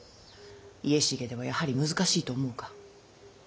家重ではやはり難しいと思うか？